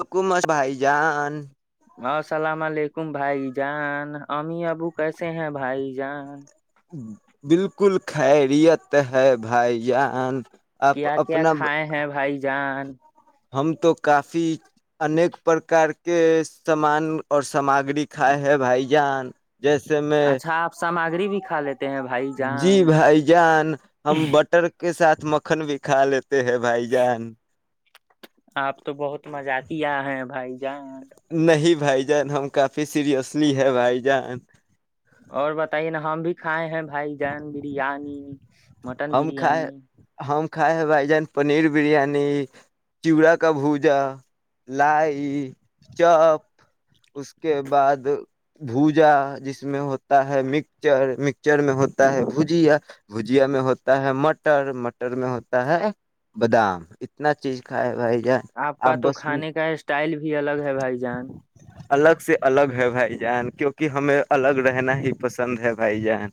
حکومت بھائی جان السلام علیکم بھائی جان امیمی ابو کیسے ہیں بھائی جان بالکل خیریت ہے بھائی جان آپ کیا کیا اپنا کھائے ہیں بھائی جان [inaudible] ہم تو کافی انیک پرکار کے سامان اور سامگری کھائے ہیں بھائی جان جیسے میں اچھا آپ سامگری بھی کھا لیتے ہیں بھائی جی جان بھائی جان ہم بٹر کے ساتھ مکھن بھی کھا لیتے ہے بھائی جان آپ تو بہت مزہ آتی آ ہیں بھائی جان نہیں بھائی جان ہم کافی سیریئسلی ہے بھائی جان اور بتائیے نا ہم بھی کھائے ہیں بھائی جان بریانی مٹن ہم کھائے بریانی ہم کھائے ہے بھائی جان پنیر بریانی چڑا کا بھوجا لائی چپ اس کے بعد بھجا جس میں ہوتا ہے مکچر مکچر میں ہوتا ہے بھجیا بھجیا میں ہوتا ہے مٹر مٹر میں ہوتا ہے بادام اتنا چیز کھائے بھائی جان آپ کا تو بس کھانے کا اسٹائل بھی الگ ہے بھائی جان الگ سے الگ ہے بھائی جان کیوںکہ ہمیں الگ رہنا ہی پسند ہے بھائی جان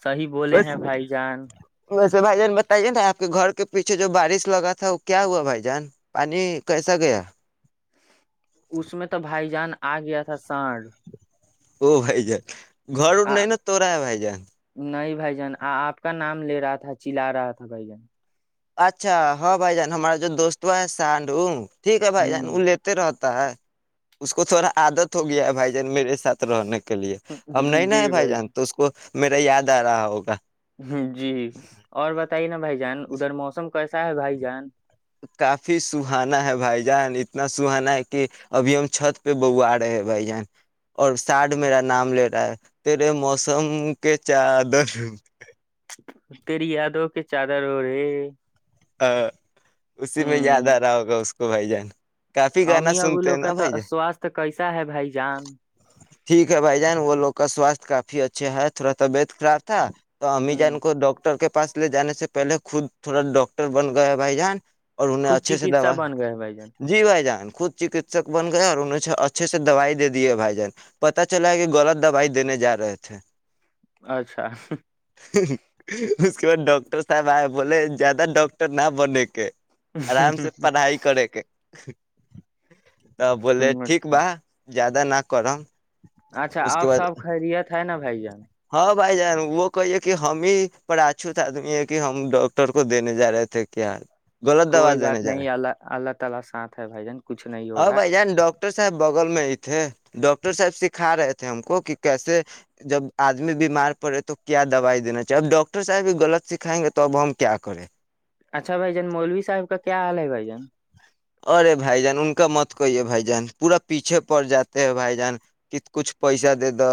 صی بولے بس ہیں بھائی جان ویسے بھائی جان بتائیے نا آپ کے گھر کے پیچھے جو بارش لگا تھا وہ کیا ہوا بھائی جان پانی کیسا گیا اس میں تو بھائی جان آ گیا تھا سانڑ او بھائی جان گھر آ نہیں نا تو رہا ہے بھائی جان نہیں بھائی جان آپ کا نام لے رہا تھا چلا رہا تھا بھائی جان اچھا ہاں بھائی جان ہمارا جو دوست ہو ہے سانڈوگ ٹھیک ہے بھائی جان ہوں لیتے رہ اس کو تھوڑا آادت ہو گیا ہے بھائی جان میرے ساتھ رہنے کا کے لیے اب نہیں ن ہے بھائی جان تو اس کو میرا یاد آ رہا ہوگا جی اور بتائیے نا بھائی جان ادھر موسم کیسا ہے بھائی جان کافی سہانا ہے بھائی جان اتنا سہانا ہے کہ ابھی ہم چھت پہ بواڈ ہے ہیں بھائی جان اور ساڈ میرا نام لے رہا ہے تیرے موسم کے چادر تری یادو کہ چادر اوڈ رے ہ ہ اسی میں یاد آ رہا ہوگا اس کو تو بائی جان کافی گانا امی ابو سنتے ہیں لوگ کا نا بھائی تا- ج سواستھ کیسا ہے بھائی جان ٹھیک ہے بھائی جان وہ لوگ کا سواستھ کافی اچھے ہے تھوڑا طبیعت خراب تھا تو امی ہ جان کو ڈاکٹر کے پاس لے جانے سے پہلے خود تھوڑا ڈاکٹر بن گیا بھائی جان اور انہیں خود اچھے سے چکتسا ڈا بن گئے بھائی جان جی بھائی جان خود چکتسک بن گیا اور انہھ اچھے سے دوائی دے دیے بھائی جان پت چلا ہے کہ غلط دوائی دینے جا رہے تھے اچھا اس کے بعد ڈاکٹر صاحب آئے بولے زیادہ ڈاکٹر نہ بنے کے آرام سے پڑھائی کرے کے ٹھ ا بولے ٹھیک با زیادہ نہ کرم اچھا اس اب کے بعد سب خیریت ہے نا بھ جان بائی ج وہ کہیے کہ ہم ہی پراچوت آدمی ہے کہ ہم ڈاکٹر کو دینے جا رہے تھے کیاال کوئی بات نہیں اللہ تعالی ساتھ ہے بھائی جان کچھ نہیں ہاں ہوگا بھائی جان ڈاکٹر صاحب بغل میں ہی تھے ڈاکٹر صاحب سکھا رہے تھے ہم کو کہ کیسے جب آدمی بیمار پڑے تو کیا دوائی دینا چاہیے اب ڈاکٹر صاحب بھی غلط سکھائیں گے تو اب ہم کیا کرے اچھا بھائی جان مولوی صاحب کا کیا حال ہے بھائی جان ارے بھائی جان ان کا مت کہیے بھائی جان پورا پیچھے پڑ جاتے ہیں بھائی جان کہ کچھ پیسہ دے دو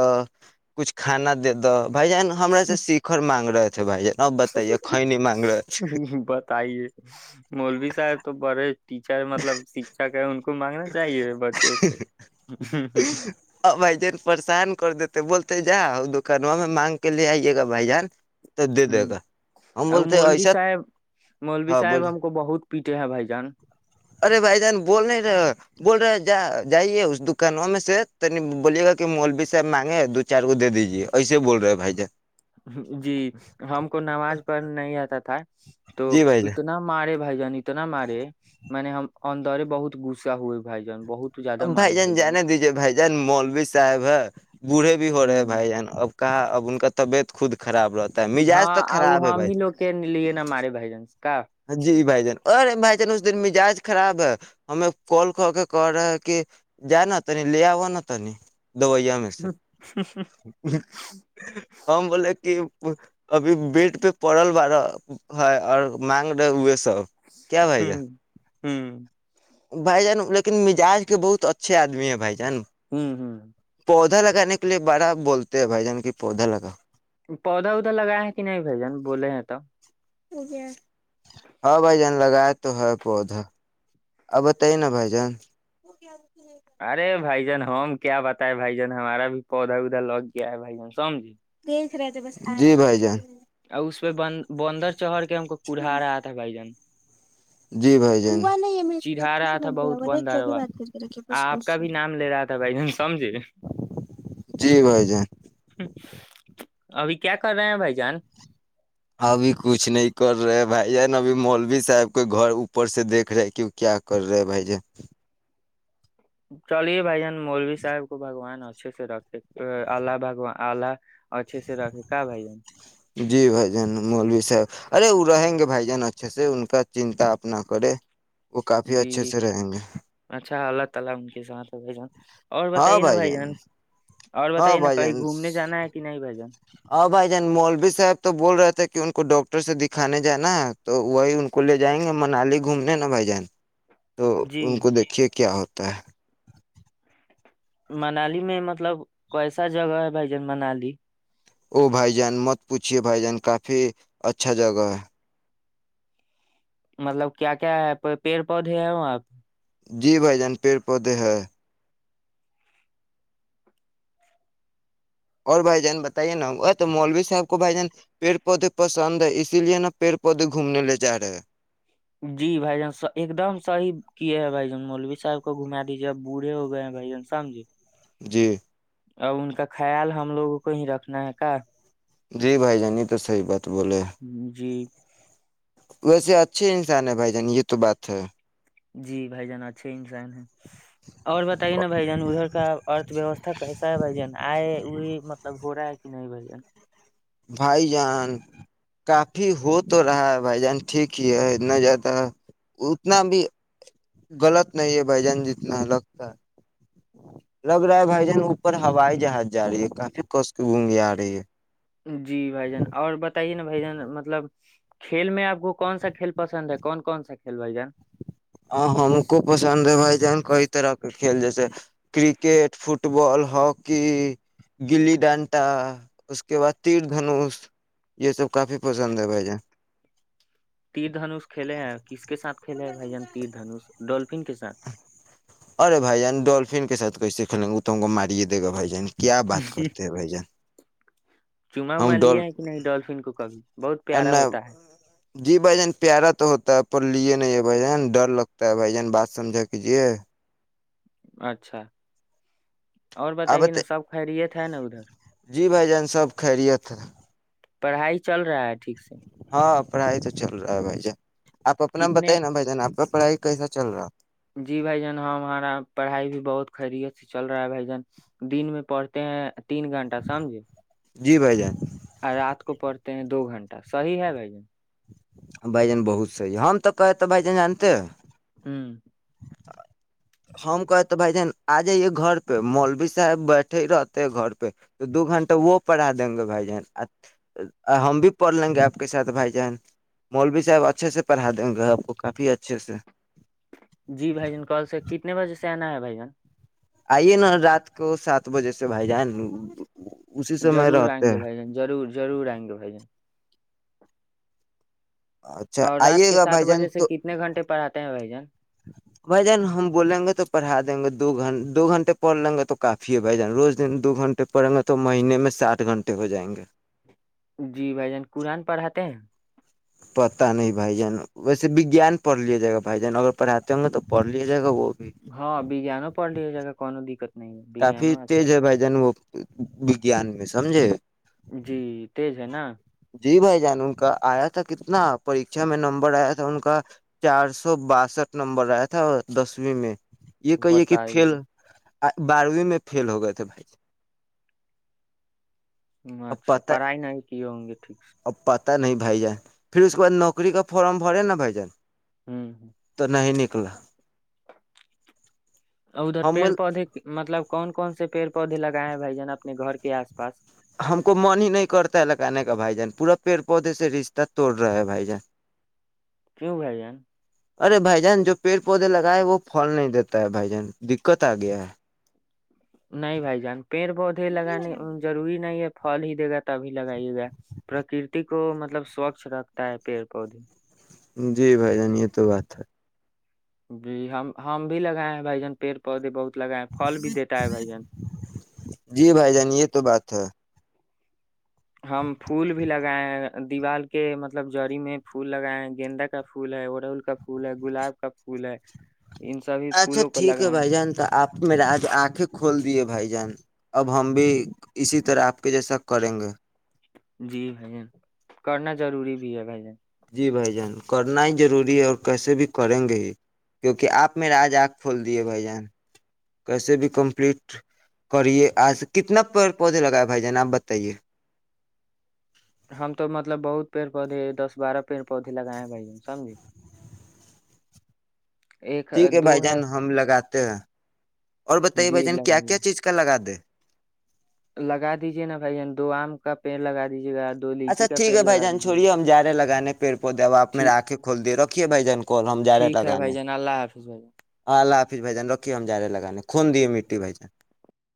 کچھ کھانا دے دو بھای جان ہمرا س سیخر مانگرت بتائیے مولوی صاحب تو بڑے ٹیچر مطلب شکھک ہے ان کو مانگنا چاہیے بچے سے جاؤ دکانوں میں مانگ کے لے آئیے گا بھائی جان تو دے ہ دے گا ہم ا بولتے مولوی ایسا صاحب مولوی ہاں صاحب بولے ہم کو بہت پیٹے ہے بھ ارے بھائی جان بول نہیں رہے بول رہے جا جائیے اس دکانوں میں سے ت بولیے گا کہ مولوی صاحب مانگے دو چار کو دے دیجیے ایسے بول رہے ہیں بھائی جان جی ہم کو نماز پڑھ نہیں آتا تھا تو جی بھائی جان اتنا مارے بھائی جان اتنا مارے منے ہم اندر بہت گغصا ہوئے بھائی جان بہت اب بھائی جان جانے دیجیے بھائی جان مول بھی صاحب ہے بوڑھے بھی ہو رہے ہیں بھائی جان اب کہااں اب ان کا طبیعت خود خراب رہتا ہے مزاج تو ہاں وہ خراب ہے ہم بھائی ہی لوگ کے لیے نا مارے بائی جن سے جی بھائی ارے بھائی جان اس دن مزاج خراب ہے ہمیں کال کر کے کر رہا ہے کہ جا نا تنی لے آو نا تنی دویا میں سے ہم بولے کہ ابھی بیڈ پہ پڑل والارا ہے اور مگ ڈا ا [unintelligible] سب کیا بھائی جان ہوں بھائی جان لیکن مزاج کے بہت اچھے آدمی ہیں بھائی جان ہوں ہوں پودا لگانے کے لیے بڑا بولتے ہیں بھائی جان کی پودا لگاؤ پودا اودا لگایا ہے کہ نہیں بھجن بولے ہیں تو ہاں بھاجان لگائے تو ہے پودا آ بتائیے نا بھجان ج ہم کیا بتائے بھائی جان ہمارا بھی پودا اوددا لگ گیا ہے بھائی جان سمجھے جی بھائی جان [unintelligible] اور اس پہ ب بندر چڑھ کے ہم کو کڑھا رہا تھا بھائی جان جی بھائی جین چڑھا رہا تھا بہت بندروا آپ کا بھی نام لے رہا تھا بھائی جن سمجھے جی بھائی جان ابھی کیا کر رہے ہیں بھائی جان ابھی کچھ نہیں کر رہے بھائی جا ن ابھی مولوی صاحب کے گھر اوپر سے دیکھ رہے کہ وہ کیا کر رہے ہے بھائی جان چلیے بائی جان مولوی صاب کو بگوان ہو اچھے سے رکھے اللہ بھگوان الہ اچھے سے رکھے کا بھائی [unintelligible] جی بھ جان مولوی صاحب ارے وہ رہیں گے بھ جان اچھے سے ان کا چنتا اپنا کرے وہ کافی اچھے سے رہیں گے [inaudible] اور ہاں بتائیے نا بھائی جان اور ہاں بتائیے نا بھائی کہیں جان گھومنے جانا ہے کہ نہیں بھائی جان ہاں بھائی جان مولوی صاحب تو بول رہے تھے کہ ان کو ڈاکٹر سے دکھانے جانا ہے تو وہی ان کو لے جائیں گے منالی گھومنے نہا بھائی جان تو جی ان کو دیکھیے کیا ہوتا تا منالی میں مطلب کوسا جگہ ہے بھائی جن منالی او بھائی جان مت پوچھیے بھائی جان کافی اچھا جگہ ہے مطلب کیا کیا ہے پیڑ پودھے ہیں وہ آپ جی بھائی جان پیڑ پودے ہیں اور بھائی جان بتائیے نا تو مولوی صاحب کو بھائی جان پیڑ پودے پسند ہے اسی لیے نا پیڑ پودے گھومنے لے جا رہے جی بھائی جان ایک دم صحیح کیے ہیں بھائی جان مولوی صاحب کو گھما دیجیے اب بوڑے ہو گئے ہیں بھائی جان سمجے جی ا ان کا خیال ہم لوگوں کو ہی رکھنا ہے کا جی بھائی جانی تو صحی بات بولے جی ویسے اچھے انسان ہے بھائی جان یہ تو بات ہے جی بھائی جان اچھے ہی انسان ہیں اور بتائیے نا بھ جان ادھر کا ارتھ ویوستھا کیسا ہے بھ جان آئے ہوئی مطلب ہو رہا ہے کہ نہیں بھائین بھائی جان کافی ہو تو رہا ہے بھائی جان ٹھیک ہی ہے اتنا جیاد ہے اتنا بھی غلط نہیں ہے بھائی جان جتنا لگتا ہے لگ رہا ہے بھائی جان اوپر ہائی جہاز جا رہی ہے کافی کش گونگی آ رہی ہے جی بھائی جان اور بتائیے نا بھ جان مطلب کھیل میں آپ کون سا کھیل پسند ہے کون کون سا کھیل بھائی جان ہ ہاں ہم کو پسند ہے بائی جین کو تو راکھ کھیل جیسے کرکٹ فٹ بال ہاکی گلی ڈانٹا اس کے بعد تیر دھنش یہ سب کافی پسند ہے بھائی ج ھیلے بھائی جان تیر دھنوش ڈولفن کے ساتھ [unintelligible] ارے بھائی جان ڈولفن کے سات کیسے کلیں گے تو ہم کو مارے د گا بھائی جان کیا بات کرتے ہیں بھائی جان چعا وما ہم لیا ڈول ہے کہ نہیں ڈولفن کو کبھی بہت پیارا ہوتا ہے جی بھائی جان پیارا تو ہوتا ہے پر لیے نہیں ہے بھائی جان ڈر لگتا ہے بھائی جان بات سمجھا کیجیے اچھا اور بتائیے آبت نا سب خیریت ہے نا ادھر جی بھائی جان سب خریت پڑھائی چل رہا ہے ٹھیک سے ہاں پڑھائی تو چل رہا ہے بھائی جان آپ اپنا کتنے بتائیے نا بھائی جان آپ کا پڑھائی کیسا چل رہا ہے جی بھائی جان ہمارا پڑھائی بھی بہت خیریت سے چل رہا ہے بھائی جان دن میں پڑھتے ہیں تین گھنٹہ سمجھے جی بھائی جان رات کو پڑھتے ہیں دو گھنٹہ صحیح ہے بھائی جن بائی جان بہت صحیح ہے ہم تو کہے تو بھائی جان جانتے ہیں ہمم ہم کہے تو بھائی جہن آ جائیے گھر پہ مولوی صاحب بیٹھے ہی رہتے گھر پہ تو دو گھنٹہ وہ پڑھا دیں گے بھائی جن ہم بھی پڑھ لیں گے آپ کے ساتھ بھائی جہن مولوی صاحب اچھے سے پڑھا دیں گے آپ کو کافی اچھے سے جی بھائی جن کال سے کتنے بجے سے سنا ہے بھ آئیے نا رات کو سات بجے سے بھائی جان اسی سمے ضرور آئیں رہتے گے ہیں بھ جن ضرور ضور آئیں گے بھائی جن اچھا اور رات آئیے کے گا سات بھائی جان بجے سے تو کتنے گھنٹے پڑھاتے ہیں بھائی جان بھائی جان ہم بولیں گے تو پڑھا دیں گے دو گھن دو گھنٹے پڑھ لیں گے تو کافی ہے بھ جانا روز دن دو گھنٹے پڑیں گے تو مہینے میں ساتھ گھنٹے ہو جائیں گے جی بھ جان قرآن پڑھاتے ہیں پتا نہیں بھائی جان ویسے وگان پڑھ لیا جائے گا بھائی جان اگر پڑھاتے ہوں گے تو پڑھ لیا جائے گا وہ بھی ہاں ب جا ن پ ڈی ہے جگا کون دقت نہیں ہے کافی وگیانو اچھا تیز ہے بھائی جان وہ وجان میں سمجھے جی تج ہے نا جی بھائی جان ان کا آیا تھا کتنا پرریھا میں نمبر آیا تھا ان کا چار سو باسٹھ نمبر آیا تھا دسویں میں یہ کہیے کہ کل بتائیے بارہویں میں فیل ہو گئے تھے بھائی ج ہ اچھا پڑھائی نہیں کی ہو س گے ٹھیک اب پتہ نہیں بھائی جان پھر اس کے بد نوکری کا فارم بھرے نا بھائی جان ہ تو نہیں نک اکلا اور ادھر پیڑ پودے مطلب کون کون سے پیڑ پودے لگائے ہیں بھائی جان اپنے گھر کے آس پاس ہم کو من ہی نہیں کرتا ہے لگانے کا بھائی جان پورا پیڑ پودے سے رشتہ توڑ رہے ہے بھائی جان کیوں بئے جان ارے بھائی جان جو پیڑ پودے لگائے ہے وہ پھل نہیں دیتا ہے بھائی جان دقت آ گیا ہے نہیں بھائی جان پیڑ پودے لگانے ضروری نہیں ہے پل ہی دے گا تبھی لگائیے گا پرکرتی کو مطلب سوچھ رکھتا ہے پیڑ پودے جی بھائی جان یہ تو بات ہے جی ہم ہم بھی لگائے ہیں بھائی جان پیڑ پودے بہت لگائے ہیں پھل بھی دیتا ہے بھائی جان جی بھائی جان یہ تو بات ہے ہم پھول بھی لگائے ہیں دیوار کے مطلب جڑی میں پھول لگائے ہیں گیندا کا پھول ہے اڑہول کا پھول ہے گلاب کا پھول ہے ان سبھی اچھا پھولوں کو ٹھیک ہے لگائے بھائی ہیں جان تو آپ میرے آج آنکھیں کھول دیے بھائی جان اب ہم بھی اسی طرح آپ کے جیسا کریں گے جی بھائی جن کرنا ضروری بھی ہے بھائی جن جی بھائی جان کرنا ہی ضروری ہے اور کیسے بھی کریں گے ہی کیونکہ آپ میرا آج آنکھ کھول دیے بھائی جان کیسے بھی کمپلیٹ کریے آج کتنا پ پودے لگائے بھائی جان آپ بتائیے ہم تو مطلب بہت پیڑ پودے دس بارہ پیڑ پودے لگائے ہیں بھائی ج سمجے ٹھیک ہے بھائی جان ہم لگات [inaudible] اور بتائیے بھ جی جن کیا کیا لگائیے چیز کا لگا دے لگا دیجے نا بھائی ج دو آم کا پیڑ لگا دیجیے گا دو اچھا لیچی کا ٹھیک پیڑ ہےھائی لگا جان دیجیے گا چھوڑیے ہم ج رہے لگے گانے پیڑ پ دوباپ میر ٹھیک آکھیں کھول دے رکھ ے بائی جان کوال ہم جار ٹھیک لک ہے بھائی نے جان اللہ حافظ بھائی جان ہ ل بھجاان رھیے ہم ج رہے لگانے خون د دیے مٹیی بھجن